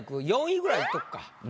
４位ぐらいいっとこか。